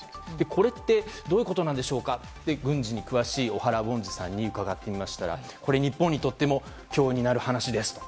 これってどういうことなんでしょうかと軍事に詳しい小原凡司さんに伺ってみましたらこれは日本にとっても脅威になる話ですと。